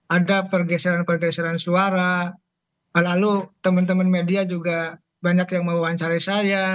ada pergeseran pergeseran suara lalu teman teman media juga banyak yang mewawancarai saya